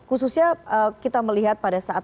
khususnya kita melihat pada saat